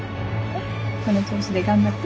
この調子で頑張って。